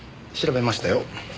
調べましたよ。